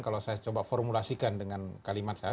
kalau saya coba formulasikan dengan kalimat saya